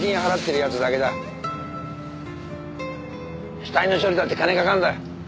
死体の処理だって金かかんだ。